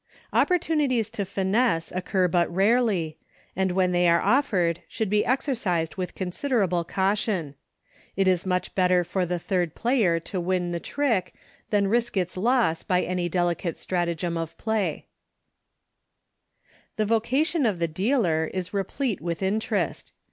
Opportunities to finesse occur but rarely, and when they are offered should be exercised with considerable caution. It is much better for the third player to win the trick than risk its loss by any delicate stratagem of play. HINTS TO TYROS. 125 The vocation of the dealer is replete with interest.